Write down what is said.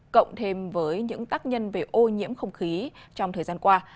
cộng thêm với những tác nhân về ô nhiễm không khí trong thời gian qua